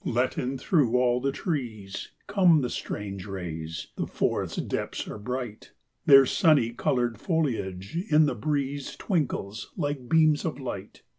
Let in through all the trees Come the strange rays; the forest depths are bright? Their sunny coloured foliage, in the breeze, Twinkles, like beams of light.